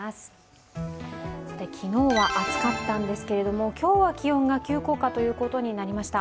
昨日は暑かったんですけども今日は気温が急降下ということになりました。